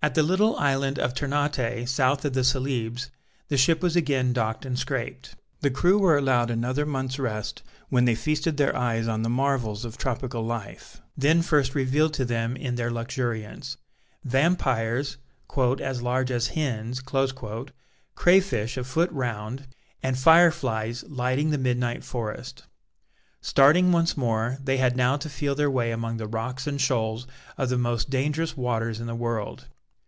At the little island of Ternate, south of the Celebes, the ship was again docked and scraped. The crew were allowed another month's rest, when they feasted their eyes on the marvels of tropical life, then first revealed to them in their luxuriance vampires "as large as hens," crayfish a foot round, and fireflies lighting the midnight forest. Starting once more, they had now to feel their way among the rocks and shoals of the most dangerous waters in the world.